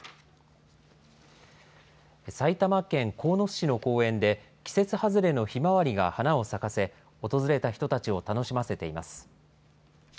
埼玉県鴻巣市の公園で、季節外れのひまわりが花を咲かせ、訪れた人たちを楽しませています。